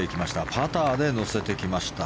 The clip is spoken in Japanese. パターで乗せてきました。